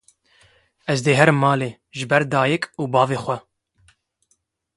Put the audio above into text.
Ez dê herim malê, jiber dayîk û bavê xwe